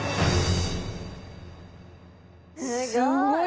すごい！